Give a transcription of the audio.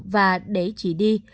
và để chị đi